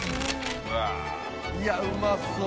舛叩いやうまそう！